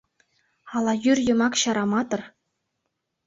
Ала йӱр йымак чараматыр